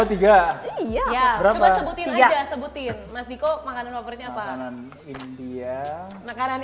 satu ratus dua puluh tiga iya berapa sebutin aja sebutin mas diko makanan favoritnya apa makanan india makanan